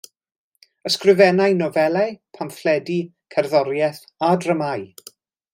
Ysgrifennai nofelau, pamffledi, cerddoriaeth a dramâu.